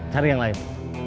cari yang lain